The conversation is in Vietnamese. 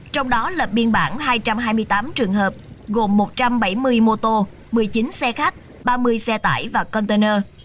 trong đó lập biên bản hai trăm hai mươi tám trường hợp gồm một trăm bảy mươi mô tô một mươi chín xe khách ba mươi xe tải và container